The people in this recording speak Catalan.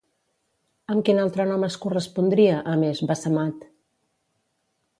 Amb quin altre nom es correspondria, a més, Bassemat?